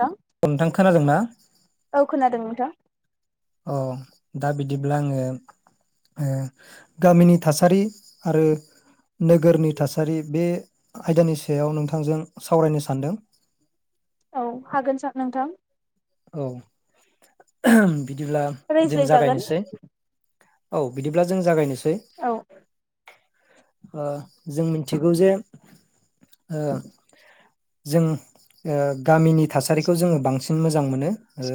हो नोंथां खोनादोंना [inaudible] औ खोनादों नोंथां अ दा बिदिब्ला आङो ओ गामिनि थासारि आरो नोगोरनि थासारि बे आयदानि सायाव नोंथांजों सावरायनो सानदों। औ हागोन सार नोंथां। औ बिदिब्ला जों रायज्लायजागोन जागायनोसै औ बिदिब्ला जों जागायनोसै औ ओ जों मिनथिगौ जे ओ जों ओ गामिनि थासारिखौ जोङो बांसिन मो मोजां मोनो ओ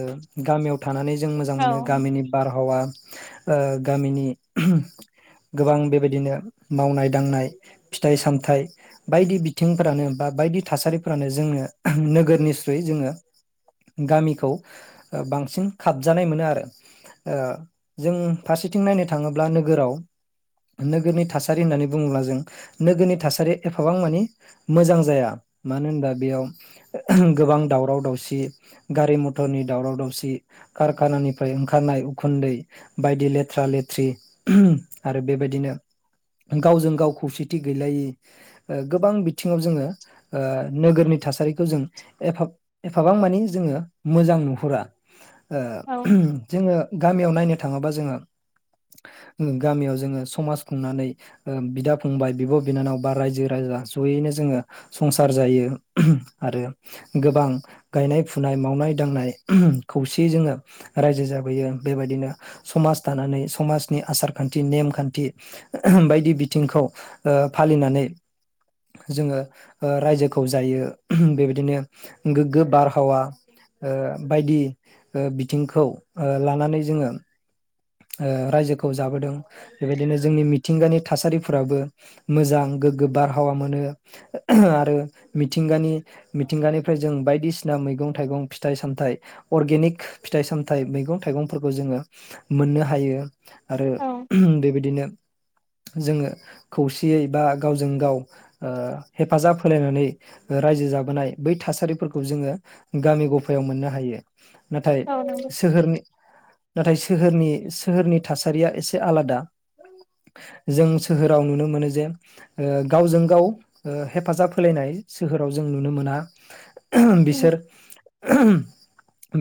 गामियाव थानानै जों मोजां औ मोनो गामिनि बार आबहावा ओ गामिनि गोबां बेबायदिनो मावनाय दांनाय फिथाइ सामथाइ बायदि बिथिंफोरानो बा बायदि थासारिफोरानो जोङो नोगोरनिस्रुयै जोङो गामिखौ ओ बांसिन खाबजानाय मोनो आरो ओ जों फारसेथिं नायनो थाङोब्ला नोगोराव नोगोरनि थासारि होननानै बुङोब्ला जों नोगोरनि थासारिया एफाबां मानि मोजां जाया मानो होनबा बेयाव गोबां दावराव दावसि गारि मटरनि दावराव दावसि कारखानानिफ्राय ओंखारनाय उखुन्दै बायदि लेथ्रा लेथ्रि आरो बेबायदिनो गावजों गाव खौसेथि गैलायि ओ गोबां बिथिङाव जोङो ओ नोगोरनि थासारिखौ जों एफा एफाबां मानि जोङो मोजां नुहुरा ओ औ जोङो गामियाव नायनो थाङोबा जोङो गामियाव जोङो समाज खुंनानै ओ बिदा फंबाय बिब' बिनानाव बा रायजो राजा जयैनो जोङो संसार जायो आरो गोबां गायनाय फुनाय मावनाय दांनाय खौसेयै जोङो रायजो जाबोयो बेबायदिनो समाज दानानै समाजनि आसार खान्थि नेमखान्थि बायदि बिथिंखौ ओ फालिनानै जोङो ओ रायजोखौ जायो बेबायदिनो गोग्गो बार हावा ओ बायदि ओ बिथिंखौ ओ लानानै जोङो ओ रायजोखौ जाबोदों बेबायदिनो जोंनि मिथिंगानि थासारिफोराबो मोजां गोग्गो बारहावा मोनो आरो मिथिंगानि मिथिंगानिफ्राय जों बायदिसिना मैगं थाइगं फिथाइ सामथाइ अर्गेनिक फिथाइ सामथाइ मैगं थाइगंफोरखौ जोङो मोननो हायो। आरो औ बेबायदिनो। जोङो खौसेयै बा गावजों गाव ओ हेफाजाब होलायनानै रायजो जाबोनाय बै थासारिफोरखौ जोङो गामि गफायाव मोननो हायो। नाथाय औ नंगौ सोहोरनि। नाथाय सोहोरनि सोहोरनि थासारिया एसे आलादा जों सोहोराव नुनो मोनो जे ओ गावजों गाव ओ हेफाजाब होलायनाय सोहोराव जों नुनो मोना। उम बिसोर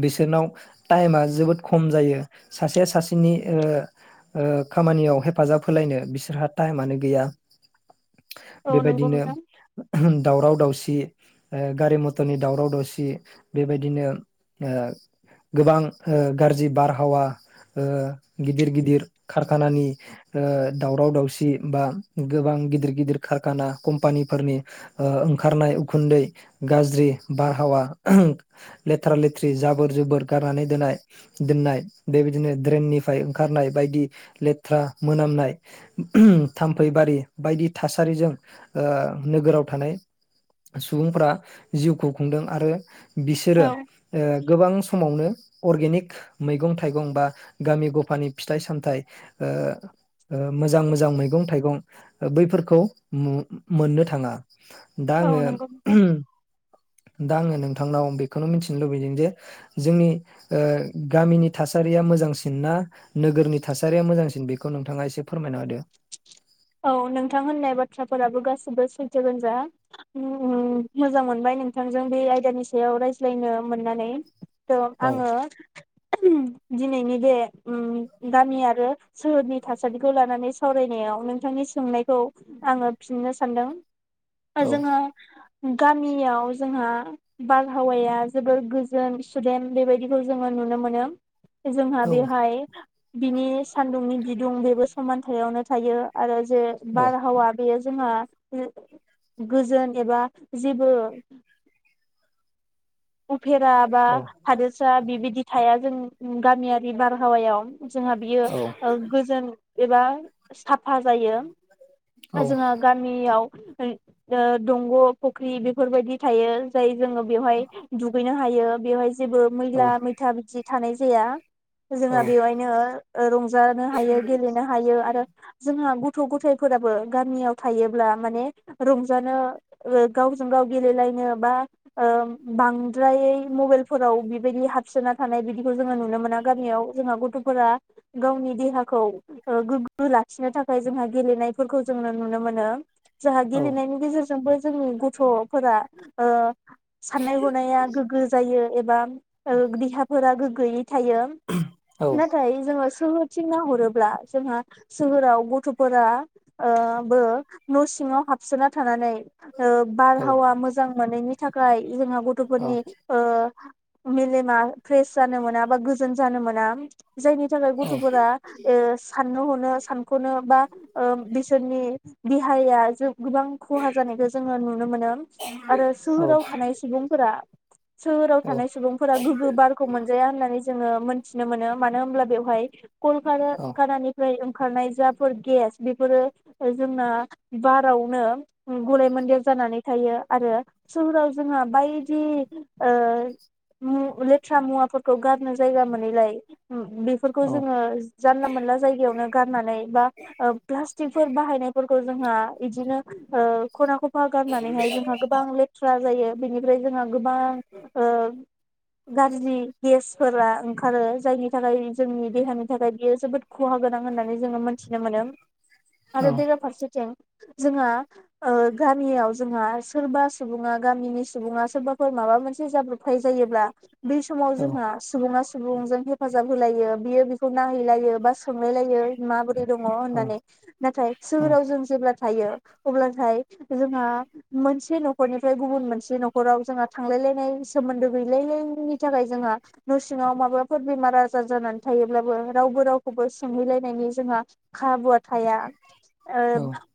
बिसोरनाव टाइमा जोबोद खम जायो। सासेया सासेनि ओ -ओ- खामानियाव हेफाजाब होलायनो बिसोरहा टाइमानो गैया। औ नंगौ बेबायदिनो नोंथां दावराव दावसि। ओ गारि मथरनि दावराव दावसि बेबायदिनो ओ गोबां ओ गाज्रि बार बारहावा ओ गिदिर गिदिर कारखानानि ओ दावराव दावसि बा गोबां गिदिर गिदिर कारखाना कम्पानिफोरनि ओ ओंखारनाय उखुन्दै गाज्रि बारहावा लेथ्रा लेथ्रि जाबोर जोबोर गारनानै दोननाय दोननाय। बेबायदिनो ड्रेननिफ्राय ओंखारनाय बायदि लेथ्रा मोनामनाय थाम्फैबारि बायदि थासारिजों ओ नोगोराव थानाय सुबुंफोरारा जिउखौ खुंदों आरो। बिसोरो औ ओ गोबां समावनो। अर्गेनिक मैगं थ। थाइगं बा गामि गफानि फिथाइ सामथाइ ओ ओ मोजां मोजां मैगं थाइगं बैफोरखौ मो मोननो थाङा। दा आङो औ नंगौ नोंथां दा आङो नों। नोंथांनाव आ बेखौनो मिथिनो लुबैदों जे जोंनि ओ गामिनि। थासारिया मोजांसिन ना नोगोरनि थासारिया मोजांसिन बेखौ नोंथाङा एसे फोरमायना होदो। औ नोंथां होननाय बाथ्राफोराबो गासिबो सैथोगो जा उम मोजां मोनबाय नोंथांजों बे आयदानि सायाव रायज्लायनो मोननानै। थ' औ आङो। दिनैनि बे उम गामि आरो सोहोरनि थासारिखौ लानानै सावरायनायाव नों। बिथांनि सोंनायखौ आङो फिननो सानदों। आ औ जोङो। गामियाव जोंहा बारहावाया जोबोर गोजोन सुदेम बेबायदिखौ जोङो नुनो मोनो। जोंहा औ बे हाय। बिनि सान्दुंनि बिदुं बेबो समानथायावनो थायो। आरो। बे बार हावा बेयो। जोंहा गोजोन एबा जेबो। उफेरा बा हादोरसा बिबायदि थाया जों। गामियारि बारहावायाव। जोंहा बियो औ ओ गोजोन। एबा साफा जायो। जोंहा गामियाव। ओ दंग' फुख्रि बेफोरबायदि थायो जाय। जोङो बेवहाय। नो हायो बेवहाय। जेबो औ मैला मैथा बिदि। थानाय जाया। जोंहा बेवहायनो रंजानो हायो गेलेनो हायो आरो जोंहा। गथ' गथायाइफोराबो गामियाव थायोब्ला माने रंजानो गावजों गाव गेलेलायनो बा ओ। बांद्रायै मबाइलफोराव बेबायदि हाबसोना थानाय बिदिखौ जोङो नुनो मोना गामियाव जोंहा गथ'फोरा गावनि देहाखौ ओ गोग्गो लाखिनो थाखाय जोंहा गेलेनायफोरखौ जोङो नुनो मोनो। जोंहा गेलेनायनि गेजेरजोंबो। जोंनि गथ'फोरा। साननाय हनाया गोग्गो जायो एबा। देहाफोरा गो गोयै। थायो औ नाथाय जोङो। सोहोरथिं नाहरोब्ला जोंहा सोहोराव गथ'फोरा ओ बो न' सिङाव हाबसोना थानानै। ओ औ बारहावा मोजां। मोनैनि थाखाय। जोंहा औ गथ'फोरनि ओ। मेलेमा। फ्रेस जानो मोना बा गोजोन जानो मोन नाम जायनि थाखाय गथ'फोरा ओ सा नोंनो हनो सानख'नो बा ओ बिसोरनि बि हाया जोब गोबां खहा जानायखौ जोङो नुनो मोनो आरो सोहोराव थानाय फ्रा सोहोराव थानाय सुबुंफोरा गोग्गो बारखौ मोनजाया होननानै जोङो मोनथिनो मोनो मानो होनोमब्ला बेवहाय कलका कानानिफ्राय ओं ओंखारनाय जाफोर गेस बेफोरो जोंना बारावनो गलाय मोन्देर जानानै थायो आरो सोहोराव जोंहा बायदि ओ मु लेथ्रा मुवाफोरखौ गारनो जायगा मोनैलाय उम बेफोरखौ जोङो जानला मोनला जायगायावनो गारनानै बा ओ प्लास्टिकफोर बाहायनायफोरखौ जोंहा इदिनो ओ। खना खफा गारनानैहाय जोंहा गोबां लेथ्रा जायो। बेनिफ्राय जोंहा गोबां ओ गाज्रि गेसफोरा ओंखारो जायनि थाखाय जोंनि देहानि थाखाय बियो जोबोद खहा गोनां होननानै जोङो मोनथिनो मोनो। आरो बेरा फारसेथिं जोंहा ओ गामियाव जोंहा सोरबा सुबुङा गामिनि सुबुङा सोरबाफोर माबा मोनसे जाब्रबथाय जायोब्ला बै समाव जोंहा सुबुङा सुबुंजों हेफाजाब होलायो बियो बिखौ नाहैलायो बा सोंलायलायो माबोरै दङ होननानै नाथाय सोहोराव जों जेब्ला थायो अब्लाथाय जोंहा मोनसे न'खरनिफ्राय गुबुन मोनसे न' खराव जोंहा थांलायलायनाय सोमोन्दो गैलायलायिनि थाखाय जोंहा न' सिङाव माबाफोर बेमार आजार जानानै थायोब्लाबो रावबो रावखौबो सोंहैलायनायनि जोंहा खाबुआ थाया। ओ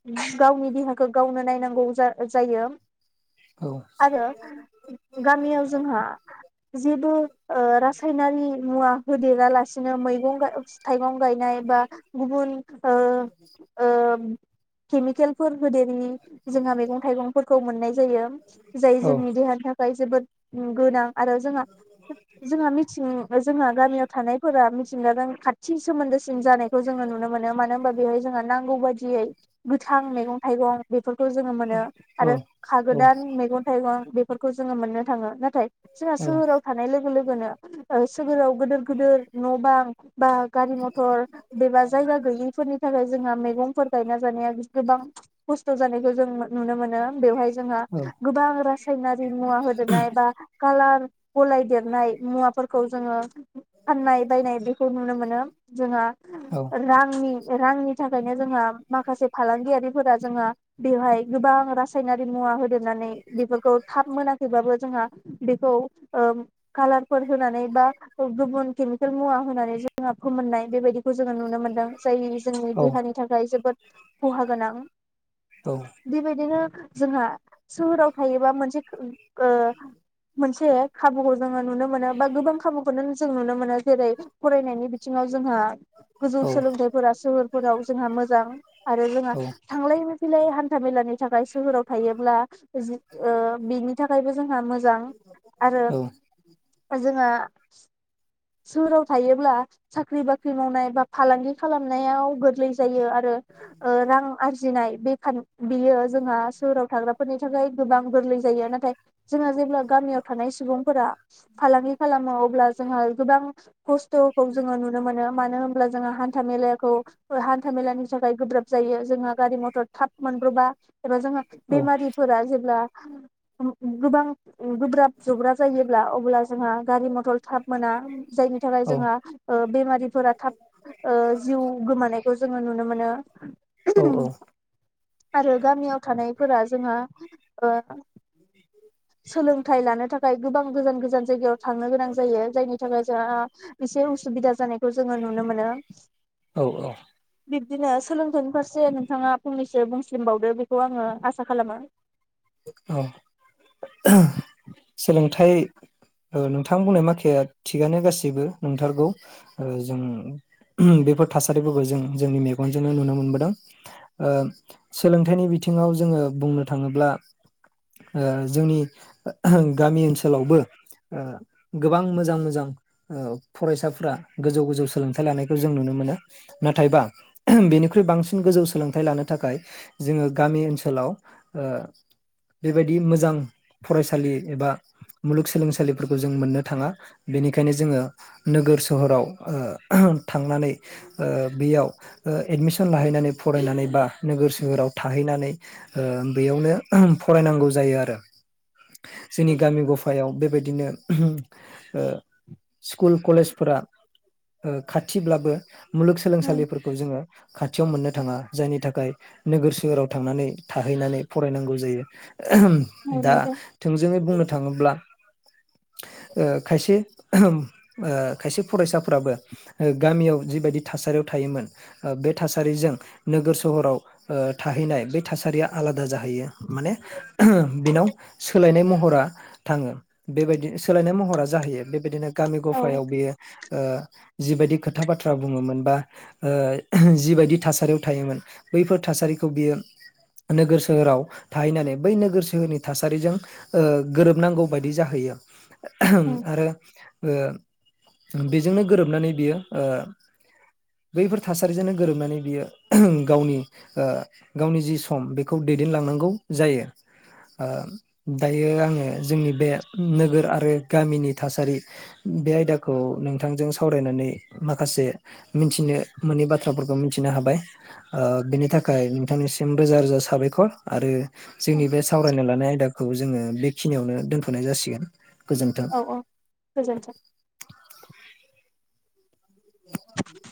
उम गावनि देहाखो गावनो नायनांगौ जा जायो। आरो गामियाव जोंहा जेबो ओ रासायनारि मुवा होदेरा लासिनो मैगं गा थाइगं गायनाय बा गुबुन ओ ओ केमिकेलफोर होदेरनि जोंहा मैगं थाइगंफोरखौ मोननाय जायो। जायो जोंनि देहानि थाख खाय जोबोद उम गोनां। आरो जोंहा जोंहा मिथिं जोंहा गामियाव थानायफोरा मिथिंगाजों खाथि सोमोन्दोसिम जानायखौ जोङो नुनो मोनो मानो होनबा बेवहाय जोंहा नांगौ बादि दियै गोथां मैगं थाइगं बेफोरखौ जोङो मोनो आरो खागोदान मैगं गं बेफोरखौ जोङो मोननो थाङो नाथाय जोंहा सोहोराव थानाय लोगो लो गोनो ओ सोहोराव गोदोर गोदोर न' बां बा गारि मथर एबा जायगा गैयैफोरनि थाखाय जोंहा मैगंफोर गायना जानाय गोबां खस्थ' जानायखौ जों नुनो मोनो। बेवहाय जोंहा रासायनारि मुवा होदेरनाय बा कालार गलायदेरनाय मुवाफोरखौ जोङो फाननाय बायनाय बेखौ नुनो मोनो जोंहा रांनि रांनि थाखायनो जोंहा माखासे फालांगियारि फोरा जोङा बेवहाय गोबां रासायनारि मुवा होदेरनानै बेफोरखौ थाब मोनाखैबाबो जोंहा बेखौ ओ कालारफोर होनानै बा गुबुन केमिकेल मुवा होनानै जोंहा फोमोननाय बेबायदिखौ जोङो नुनो मोनो। दों जाय जोंनि देहानि थाखाय जोबोद खहा गोनां। बेबायदिनो जोंहा सोहोराव थायोबा मोनसे ओ मोनसे खाबु हो जोङो नुनो मोनो बा गोबां खाबुखौनो जों नुनो मोनो जेरै फरायनायनि बिथिङाव जोंहा गोजौ सोलोंथाइफोरा सोहोरफोराव जोंहा मोजां आरो जोंहा थांलाय फैलाय हान था मेलानि थाखाय सोहोराव थायोब्ला ओ बिनि थाखायबो जोंहा मोजां आरो औ जोंङो [inaudible] सोहोराव थायोब्ला साख्रि बाख्रि मावनाय बा फालांगि खालामनायाव गोरलै जायो आरो। ओ रां आरजिनाय [unintelligible] बियो जोंहा सोहोराव थाग्राफोरनि थाखाय गोबां गोरलै जायो नाथाय जोंहा जेब्ला गामियाव थानाय सुबुंफोरा फालांगि खालामो अब्ला जोंहा गोबां खस्थ'खौ जोङो नुनो मोनो मानो होनब्ला जोंहा हान्था मेलाखौ हान्था मेलानि थाखाय गोब्राब जायो जोंहा गारि मथर थाब मोनब्र'बा। एबा जोंहा औ बेमारिफोरा जेब्ला गोबां गोब्राब जुब्राब जायोब्ला अब्ला जोंहा गारि मथर थाब मोना जायनि थाखाय जोंहा ओ बेमारिफोरा थाब ओ जिउ गोमानायखौ जों ओ नुनो मोनो। औ औ। आरो गामियाव थानायफोरा जोंहा ओ सोलोंथाइ लानो थाख खाय गोबां गोजान गोजा जान जायगायाव थांनो गोनां जायो जायनि थाखाय एसे उसुबिदा जानायखौ जोङो नुनो मोनो बि दिनो सोलोंथाइनि फारसे नोंथाङा फंनैसो बुंसलिमबावदो बेखौ आङो आसा खालामो औ सोलोंथाइ ओ नोंथां बुंनाय माखाया थिगानो गासैबो नंथारगौ ओ जों बेफोर थासारिफोरखौ जों जोंनि मेगनजोंनो नुनो मोनबोदों ओ सोलोंथाइनि बिथिङाव जोङो बुंनो थाङोब्ला ओ जोंनि गामि ओनसोलावबो ओ गोबां मोजां मोजां फरायसाफोरा गोजौ गोजौ सोलोंथाइ लानायखौ जों नुनो मोनो नाथायबा बेनिख्रुइ बांसिन गोजौ सोलोंथाइ लानो थाखाय जोङो गामि ओनसोलाव ओ बेबायदि मोजां फरायसालि एबा मुलुगसोलोंसालिफोरखौ जों मोननो थाङा बेनिखायनो जोङो नोगोर सोहोराव ओ थांनानै ओ बेयाव एडमिसन लाहैनानै फरायनानै बा नोगोर सोहोराव थाहैनानै ओ बेयावनो फरायनांगौ जायो आरो जोंनि गामि गफायाव बेबाय दिनो ओ स्कुल कलेजफोरा ओ खाथिब्लाबो औ मुलुगसोलोंसालिफोरखौ जोङो खा थियाव मोननो थाङा जायनि थाखाय नोगोर सोहोराव थांनानै थाहैनानै फरायनांगौ जायो दा नोंथां थोंजोङै बुंनो थाङोब्ला ओ खायसे ओ खायसे फरायसाफ्राबो ओ गामियाव जिबायदि थासारियाव थायोमोन ओ बे थासारिजों नोगोर सहराव ओ थाहैनाय बे थासारिया आलादा जाहैयो माने बिनाव सोलायनाय महरा थाङो बेबायदि सोलायनाय महरा जाहैयो बेबायदिनो गामि औ गफायाव बियो ओ जिबायदि खोथा बाथ्रा बुङोमोन बा ओ जिबायदि थासारियाव थायोमोन बैफोर थासारिखौ बियो नोगोर सोहोराव थाहैनानै बै नोगोर सोहोरनि थासारिजों ओ गोरोबनांगौ बायदि जाहैयो आरो ओ बेजोंनो गोरोबनानै बियो ओ बैफोर थासारिजोंनो गोरोबनानै बियो गावनि ओ गावनि जि सम बेखौ दैदेनलांनांगौ जायो ओ दायो आङो जोंनि बे नोगोर आरो गामिनि थासारि बे आयदाखौ नोंथांजों सावरायनानै माखासे मिथिनो मोनै बाथ्राफोरखौ मि मिथिनो हाबाय ओ बेनि थाखाय नोंथांनिसिम रोजा रोजा साबायखर आरो। जोंनि बे सावरायना लानाय आयदा खौ जोङो बेखिनियावनो दोनथ'नाय जासिगोन। गोजोन्थों। औ औ गोजोनथों। [inaudible]